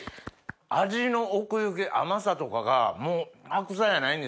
味の奥行き甘さとかがもう白菜やないんですよ